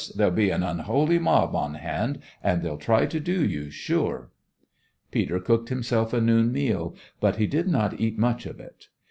There'll be an unholy mob on hand, and they'll try to do you, sure." Peter cooked himself a noon meal, but he did not eat much of it.